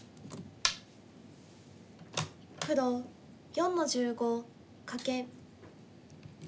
黒４の十五カケ。